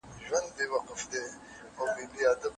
او دربار یې کړ صفا له رقیبانو